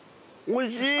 おいしい！